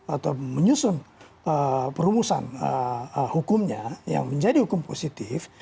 atau menyusun perumusan hukumnya yang menjadi hukum positif